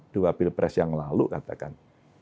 dua pilpres yang lalu katakan